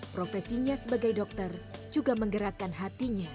profesinya sebagai dokter juga menggerakkan hatinya